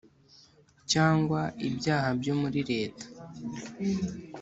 cyangwa ibyaha byo muri leta.